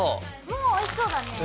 もうおいしそうだね。